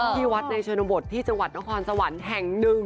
ที่วัดในชนบทที่จังหวัดนครสวรรค์แห่งหนึ่ง